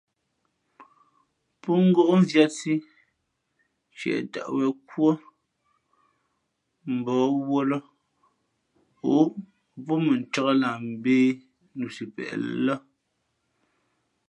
Pó ngóʼ mvīātsī ntieʼ tαʼ wěn kúά mbǒh wūᾱ ǒ mα pó mʉncāk lah mbēh nusipeʼ lά.